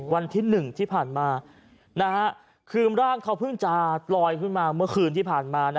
วันที่๑ที่ผ่านมาคือร่างเขาเพิ่งจะลอยขึ้นมาเมื่อคืนที่ผ่านมา